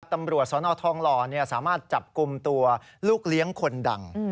ตำรวจสนทองหล่อสามารถจับกลุ่มตัวลูกเลี้ยงคนดัง